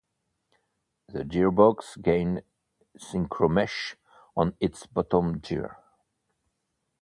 The gearbox gained synchromesh on its bottom gear.